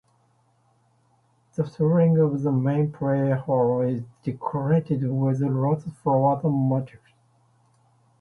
The ceiling of the main prayer hall is decorated with lotus flower motifs.